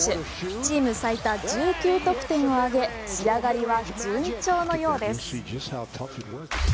チーム最多１９得点を挙げ仕上がりは順調のようです。